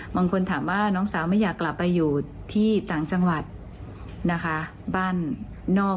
บางคนถามว่าน้องสาวไม่อยากกลับไปอยู่ที่ต่างจังหวัดนะคะบ้านนอก